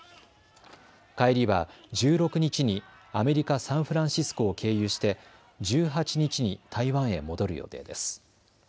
帰りは１６日にアメリカ・サンフランシスコを経由して１８日に台湾へ戻る予定です。